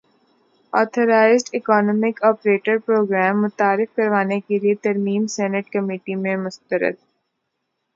authorised economic operator programme متعارف کروانے کیلئے ترمیم سینیٹ کمیٹی میں مسترد